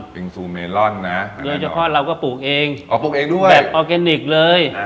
เป็นซูเมลอนนะโดยเฉพาะเราก็ปลูกเองอ๋อปลูกเองด้วยแบบออร์แกนิคเลย